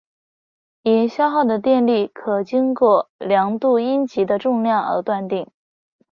已消耗的电力可经过量度阴极的重量而断定。